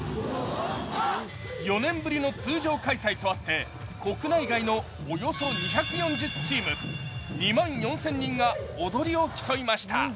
４年ぶりの通常開催とあって、国内外のおよそ２４０チーム、２万４０００人が踊りを競いました。